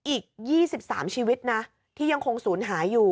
อีก๒๓ชีวิตนะที่ยังคงศูนย์หายอยู่